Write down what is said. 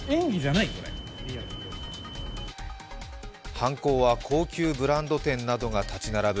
犯行は高級ブランド店などが立ち並ぶ